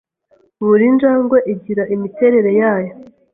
Buri njangwe igira imiterere yayo.